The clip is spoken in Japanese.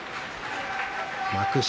幕下